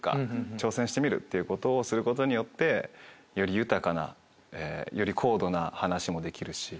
挑戦してみるっていうことをすることによってより豊かなより高度な話もできるし。